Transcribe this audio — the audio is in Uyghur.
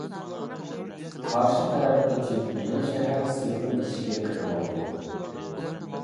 قارشى تەرەپ قېچىپ يېڭىشەھەر سېپىل ئىچىگە كىرىۋالىدۇ.